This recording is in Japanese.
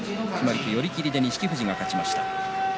寄り切りで錦富士が勝ちました。